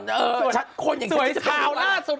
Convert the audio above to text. สวยสุดหล่าบนหน้าสุด